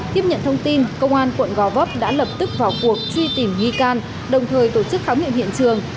tiếp nhận thông tin công an quận gò vấp đã lập tức vào cuộc truy tìm nghi can đồng thời tổ chức khám nghiệm hiện trường